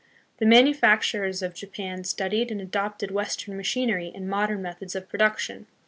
The manufacturers of Japan studied and adopted western machinery and modern methods of production.